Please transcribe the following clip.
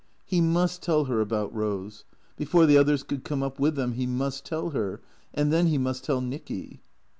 He must tell her about Eose. Before the others could come up with them he must tell her. And then he must tell Nicky.